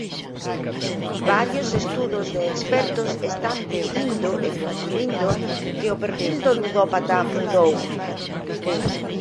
Varios estudos de expertos están dicindo e concluíndo que o perfil do ludópata mudou.